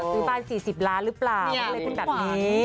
ซื้อบ้าน๔๐ล้านหรือเปล่าไม่ได้เล่นคุณแบบนี้